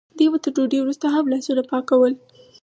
دوی به تر ډوډۍ وروسته هم لاسونه پاکول.